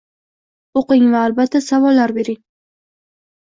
O'qing va albatta savollar bering!